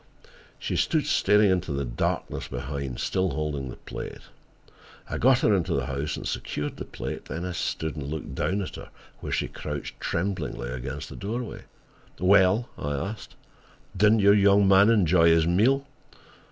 She stood staring into the darkness behind, still holding the plate. I got her into the house and secured the plate; then I stood and looked down at her where she crouched tremblingly against the doorway. "Well," I asked, "didn't your young man enjoy his meal?"